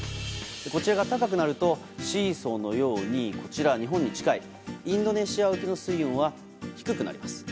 こちらが高くなるとシーソーのように日本に近いインドネシア沖の水温は低くなります。